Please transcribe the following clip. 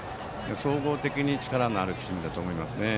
総合的に力のあるチームだと思います。